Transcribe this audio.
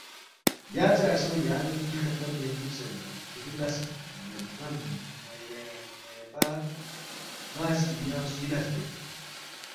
یاژے عرصو یان٘ی ن٘ی خدمت بین دُوکسے نہ کِھری لس مہ یبا ن٘ا سی ینگ سُوی لس بیک؟